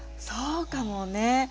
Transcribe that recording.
そうかもね。